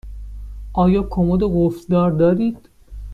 آیا کمد قفل دار دارید؟